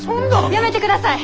やめてください！